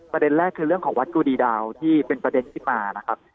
ประเด็นแรกคือเรื่องของวัดกูดีดาวที่เป็นประเด็นขึ้นมานะครับ